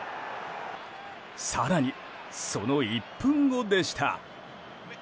更に、その１分後でした。